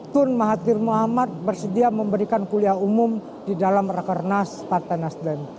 tun mahathir muhammad bersedia memberikan kuliah umum di dalam rakernas partai nasdem